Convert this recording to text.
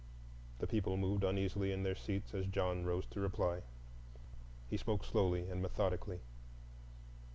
The people moved uneasily in their seats as John rose to reply. He spoke slowly and methodically.